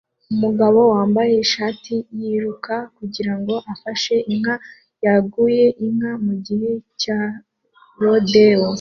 Umugabo wambaye ishati ya yiruka kugirango afashe inka yaguye inka mugihe cya rodeo